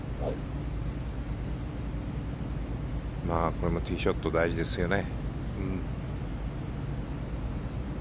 これもティーショット大事ですよね。